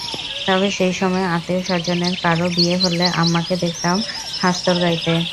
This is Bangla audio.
তবে সেই সময়ে আত্মীয়স্বজনের কারও বিয়ে হলে আম্মাকে দেখতাম হাস্তর গাইতে।